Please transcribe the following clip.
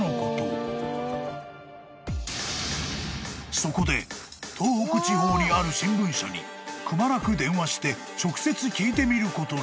［そこで東北地方にある新聞社にくまなく電話して直接聞いてみることに］